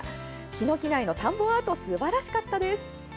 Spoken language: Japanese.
桧木内の田んぼアート、すばらしかった！